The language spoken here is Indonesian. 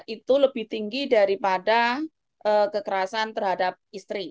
itu lebih tinggi daripada kekerasan terhadap istri